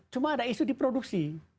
cuma ada isu di produksi